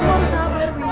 kamu sabar wih